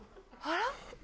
あら。